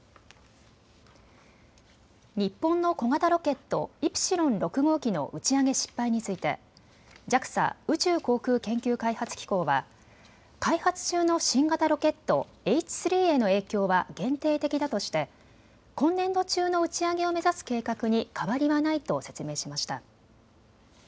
日本の小型ロケット、イプシロン６号機の打ち上げ失敗についてＪＡＸＡ・宇宙航空研究開発機構は開発中の新型ロケット、Ｈ３への影響は限定的だとして今年度中の打ち上げを目指す計画に変わりはないと説明しました。